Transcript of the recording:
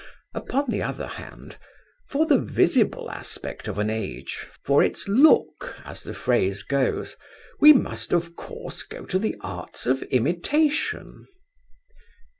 Upon the other hand, for the visible aspect of an age, for its look, as the phrase goes, we must of course go to the arts of imitation.